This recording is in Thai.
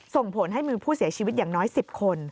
ส่งผลให้มีผู้เสียชีวิตอย่างน้อย๑๐คน